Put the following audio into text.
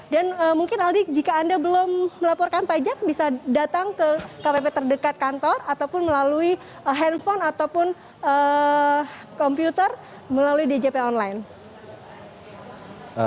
dan mungkin aldi jika anda belum melaporkan pajak bisa datang ke kpp terdekat kantor ataupun melalui handphone ataupun komputer melalui djp online